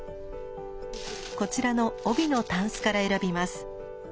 こちらの帯のタンスから選びます。